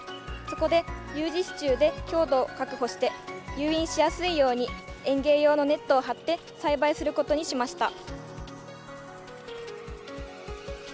そこでＵ字支柱で強度を確保して誘引しやすいように園芸用のネットを張って栽培することにしました。